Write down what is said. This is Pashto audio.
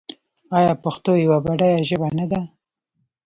آیا پښتو یوه بډایه ژبه نه ده؟